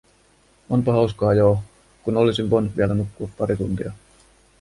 Onpa hauskaa joo, kun olisin voinut vielä nukkua pari tuntia.